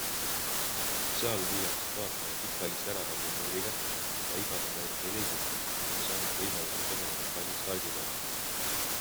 Seal lüüakse vaataja pikali sära ja glamuuriga, mida igapäevaelus ei leidu ja mis annab võimaluse põgeneda hallist argipäevast.